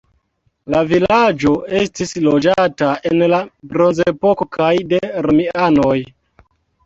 La vilaĝo estis loĝata en la bronzepoko kaj de romianoj.